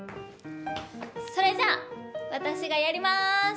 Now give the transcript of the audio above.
それじゃ私がやります。